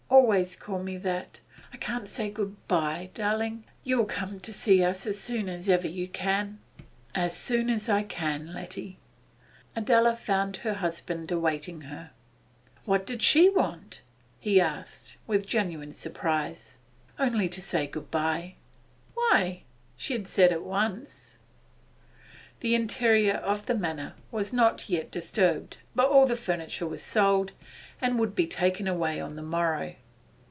Always call me that. I can't say good bye, darling. You will come to see us as soon as ever you can?' 'As soon as I can, Letty.' Adela found her husband awaiting her. 'What did she want?' he asked, with genuine surprise. 'Only to say good bye.' 'Why, she'd said it once.' The interior of the Manor was not yet disturbed, but all the furniture was sold, and would be taken away on the morrow.